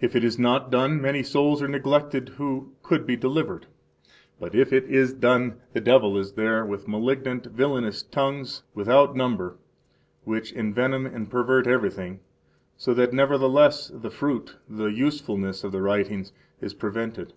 If it is not done, many souls are neglected who could be delivered; but if it is done, the devil is there with malignant, villainous tongues without number which envenom and pervert everything, so that nevertheless the fruit [the usefulness of the writings] is prevented.